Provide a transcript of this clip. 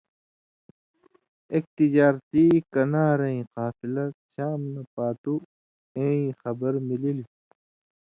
اېک تجارتی کَنارَیں (قافلہ) شام نہ پاتُو اېں ای خبر ملِلیۡ۔